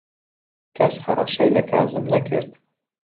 کەس هەڕەشەی لە کازم نەکرد.